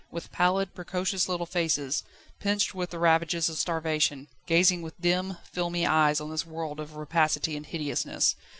with pallid, precocious little faces, pinched with the ravages of starvation, gazing with dim, filmy eyes on this world of rapacity and hideousness.